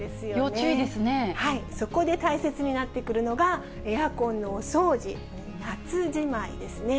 そこで大切になってくるのが、エアコンのお掃除、夏じまいですね。